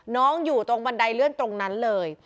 อยู่ตรงบันไดเลื่อนตรงนั้นเลย